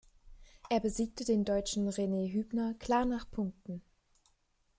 Er besiegte den Deutschen Rene Huebner klar nach Punkten.